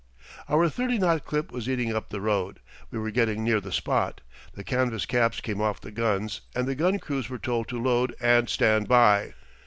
Our thirty knot clip was eating up the road. We were getting near the spot. The canvas caps came off the guns, and the gun crews were told to load and stand by.